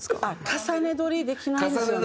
重ね録りできないですよね？